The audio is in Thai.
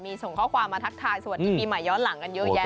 มีส่งข้อความมาทักทายสวัสดีปีใหม่ย้อนหลังกันเยอะแยะ